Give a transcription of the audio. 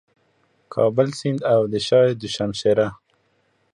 کابل سیند او د شاه دو شمشېره